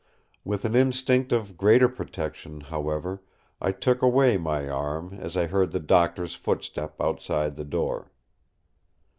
With an instinct of greater protection, however, I took away my arm as I heard the Doctor's footstep outside the door.